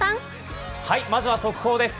まずは速報です。